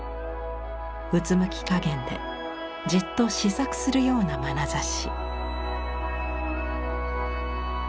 うつむきかげんでじっと思索するようなまなざし。